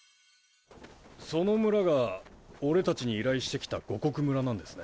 その村がオレ達に依頼してきた五穀村なんですね。